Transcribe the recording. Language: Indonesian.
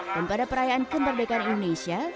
dan pada perayaan kenderdekaan indonesia